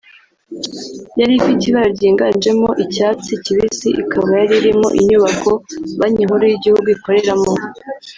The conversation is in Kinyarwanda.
yari ifite ibara ryiganjemo icyatsi kibisi ikaba yari irimo inyubako banki nkuru y’igihugu ikoreramo